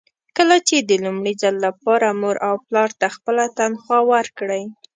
کله چې د لومړي ځل لپاره مور او پلار ته خپله تنخوا ورکړئ.